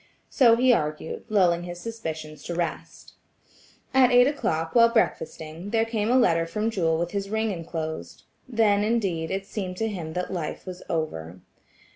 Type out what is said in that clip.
So he argued, lulling his suspicions to rest. At eight o'clock, while breakfasting, there came a letter from Jewel with his ring enclosed. Then, indeed, it seemed to him that life was over.